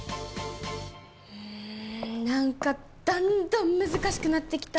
うーんなんかだんだん難しくなってきた。